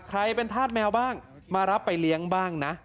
ใครเป็นธาตุแมวบ้างมารับไปเลี้ยงบ้างนะ